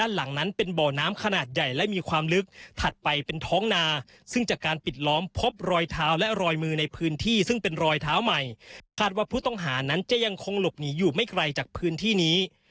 หลบหนีอยู่ไม่ไกลจากพื้นที่นี้